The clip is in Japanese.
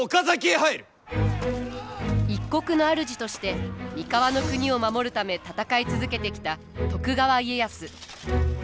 一国の主として三河国を守るため戦い続けてきた徳川家康。